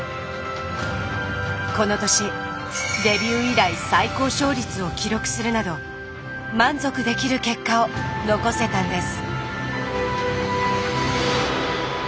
この年デビュー以来最高勝率を記録するなど満足できる結果を残せたんです。